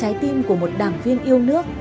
tinh thần của một đảng viên yêu nước